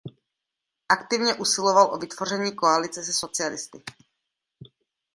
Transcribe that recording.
Aktivně usiloval o vytvoření koalice se socialisty.